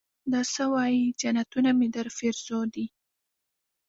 دا سه وايې جنتونه مې درپېرزو دي.